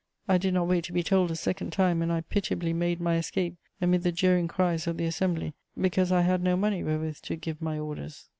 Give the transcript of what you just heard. I did not wait to be told a second time, and I pitiably made my escape amid the jeering cries of the assembly, because I had no money wherewith to "give my orders."